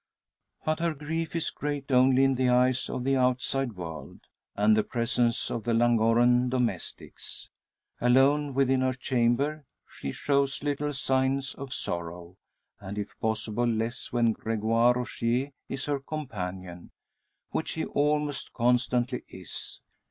But her grief is great only in the eyes of the outside world, and the presence of the Llangorren domestics. Alone within her chamber she shows little signs of sorrow; and if possible less when Gregoire Rogier is her companion; which he almost constantly is.